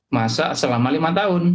masa selama lima tahun